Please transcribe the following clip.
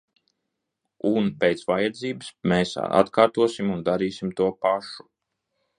Un pēc vajadzības mēs atkārtosim un darīsim to pašu.